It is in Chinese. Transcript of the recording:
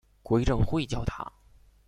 归正会教堂。